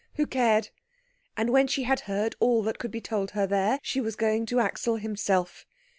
Who cared? And when she had heard all that could be told her there, she was going to Axel himself.